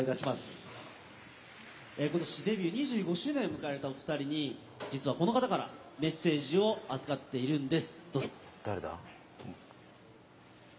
今年デビュー２５周年を迎えられた、お二人に実はこの方からメッセージを預かっているんです。